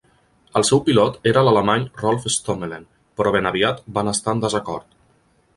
El seu pilot era l'alemany Rolf Stommelen, però ben aviat van estar en desacord.